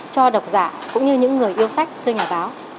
cho đọc giả cũng như những người yêu sách thưa nhà báo